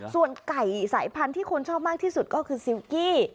ส่วนไก่สายพันธุ์ที่คนชอบมากที่สุดก็คือซิลกี้